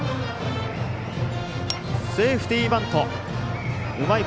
セーフティーバント！